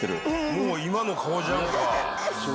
もう今の顔じゃんか！